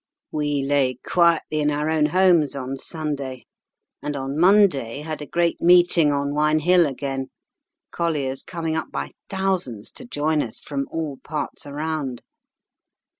"We lay quietly in our own homes on Sunday, and on Monday had a great meeting on Waun hill again, colliers coming up by thousands to join up from all parts around.